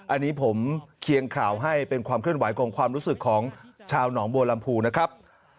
อันนี้ผมเคียงข่าวให้เป็นความเคลื่อนไหวของความรู้สึกของชาวหนองบัวลำพูนะครับ